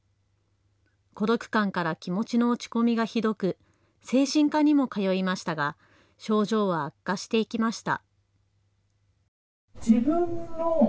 孤独感から気持ちの落ち込みがひどく精神科にも通いましたが症状は悪化していきました。